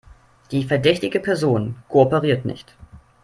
Die verdächtige Person kooperiert nicht.